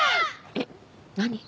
えっ何？